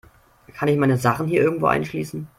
Kann ich meine Sachen hier irgendwo einschließen?